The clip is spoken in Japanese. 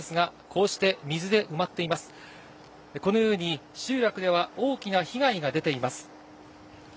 このように、集落では大きな被害が出ています。